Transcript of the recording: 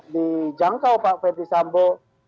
dijangkau pak ferdisambo